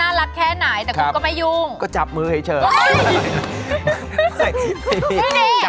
แล้วคุณพูดกับอันนี้ก็ไม่รู้นะผมว่ามันความเป็นส่วนตัวซึ่งกัน